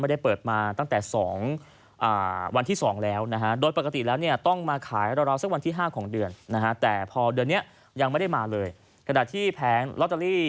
ที่แผงแห่งเนี้ยจะมีแม่ค้าผู้หญิงสวยสงสักประมาณวันที่ห้า